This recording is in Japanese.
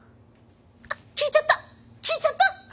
あっ聞いちゃった聞いちゃった。